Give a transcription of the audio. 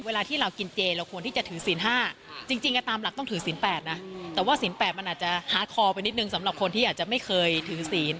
เวลาที่เรากินเจเราควรที่จะถือศีล๕จริงตามหลักต้องถือศีล๘นะแต่ว่าศีล๘มันอาจจะฮาร์ดคอไปนิดนึงสำหรับคนที่อาจจะไม่เคยถือศีล